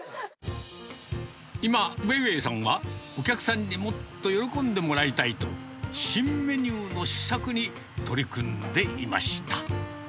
今、ウェイウェイさんは、お客さんにもっと喜んでもらいたいと、新メニューの試作に取り組んでいました。